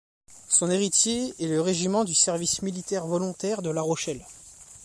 Son héritier est le régiment du service militaire volontaire de La Rochelle.